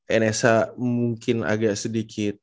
enesa mungkin agak sedikit